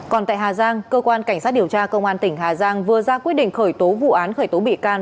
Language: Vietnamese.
còn tại hà giang cơ quan cảnh sát điều tra công an tỉnh hà giang vừa ra quyết định khởi tố vụ án khởi tố bị can